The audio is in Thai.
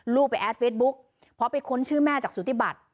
ลูกไปแอดเฟซบุ๊กเพราะไปค้นชื่อแม่จากสุธิบัติ